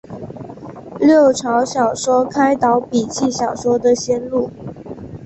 六朝小说开导笔记小说的先路。